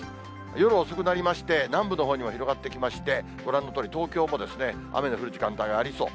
夜遅くなりまして、南部のほうにも広がってきまして、ご覧のとおり、東京も雨の降る時間帯がありそう。